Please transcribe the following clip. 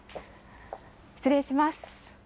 失礼します。